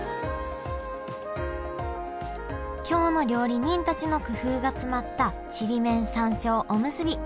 京の料理人たちの工夫が詰まったちりめん山椒おむすび。